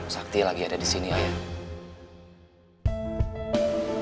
sakti lagi ada di sini ayah